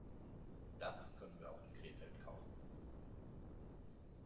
Das können wir auch in Krefeld kaufen